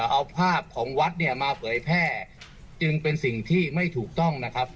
เอาภาพของวัดเนี่ยมาเผยแพร่จึงเป็นสิ่งที่ไม่ถูกต้องนะครับ